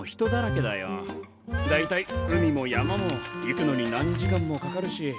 大体海も山も行くのに何時間もかかるし。